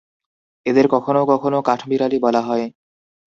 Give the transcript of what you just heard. এদের কখনও কখনও কাঠবিড়ালী বলা হয়।